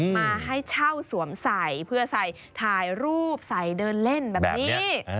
มาให้เช่าสวมใส่เพื่อใส่ถ่ายรูปใส่เดินเล่นแบบนี้